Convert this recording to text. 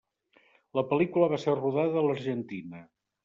La pel·lícula va ser rodada a l'Argentina.